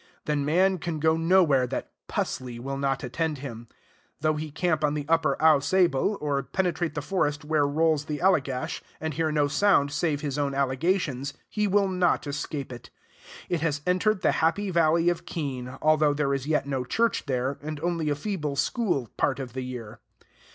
Then man can go nowhere that "pusley" will not attend him. Though he camp on the Upper Au Sable, or penetrate the forest where rolls the Allegash, and hear no sound save his own allegations, he will not escape it. It has entered the happy valley of Keene, although there is yet no church there, and only a feeble school part of the year.